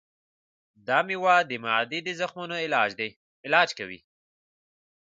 دا مېوه د معدې د زخمونو علاج کوي.